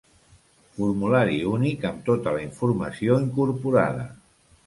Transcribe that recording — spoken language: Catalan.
Formulari únic amb tota la informació incorporada.